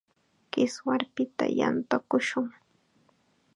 Kiswarpita yantakushun.